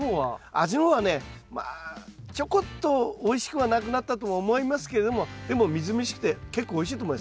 味の方はねまあちょこっとおいしくはなくなったとは思いますけれどもでもみずみずしくて結構おいしいと思いますよ。